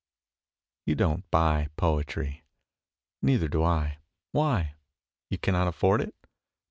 You don't buy poetry. (Neither do I.) Why? You cannot afford it?